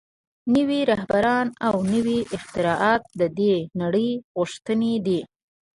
نوي رهبران او نوي اختراعات د دې نړۍ غوښتنې دي